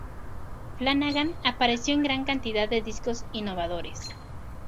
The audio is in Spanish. Flanagan apareció en gran cantidad de discos innovadores.